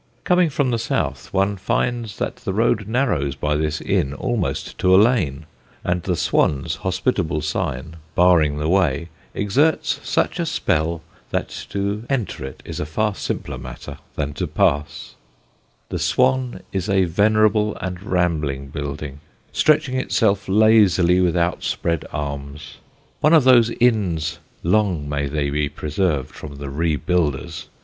Coming from the south, one finds that the road narrows by this inn almost to a lane, and the "Swan's" hospitable sign, barring the way, exerts such a spell that to enter is a far simpler matter than to pass. [Illustration: At Pulborough.] [Sidenote: AN IRRESISTIBLE INN] The "Swan" is a venerable and rambling building, stretching itself lazily with outspread arms; one of those inns (long may they be preserved from the rebuilders!)